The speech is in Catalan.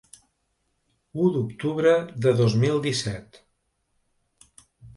U d’octubre de dos mil disset.